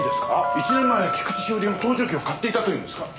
１年前菊地詩織が盗聴器を買っていたというんですか？